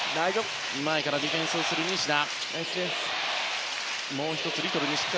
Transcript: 前からディフェンスをする西田。